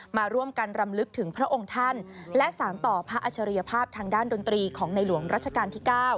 มาร่วมกันรำลึกถึงพระองค์ท่านและสารต่อพระอัจฉริยภาพทางด้านดนตรีของในหลวงรัชกาลที่๙